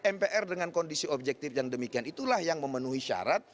mpr dengan kondisi objektif yang demikian itulah yang memenuhi syarat